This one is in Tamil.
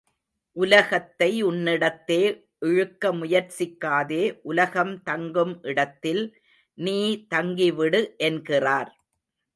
உலகத்தை உன்னிடத்தே இழுக்க முயற்சிக்காதே உலகம் தங்கும் இடத்தில் நீ தங்கிவிடு என்கிறார்.